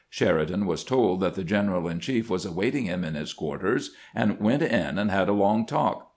Sheridan was told that the general in chief was awaiting him in his quarters, and went in and had a long talk.